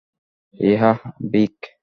Yeah, Vicco?